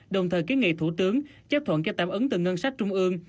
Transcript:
đồng thời kiến nghị thủ tướng chấp thuận cho tạm ứng từ ngân sách trung ương